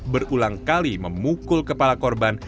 berulang kali memukul kepala korban